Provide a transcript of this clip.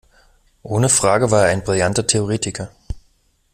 Ohne Frage war er ein brillanter Theoretiker.